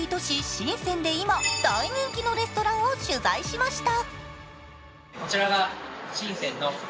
・深センで今、大人気のレストランを取材しました。